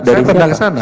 saya pernah ke sana